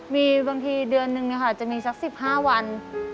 มีบางทีเดือนนึงจะมีสัก๑๕วัน